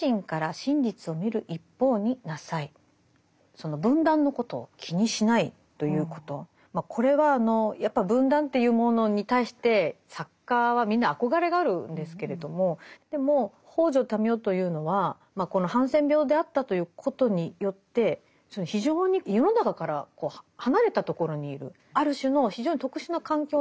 その文壇のことを気にしないということこれはやっぱ文壇というものに対して作家はみんな憧れがあるんですけれどもでも北條民雄というのはこのハンセン病であったということによって非常に世の中から離れたところにいる。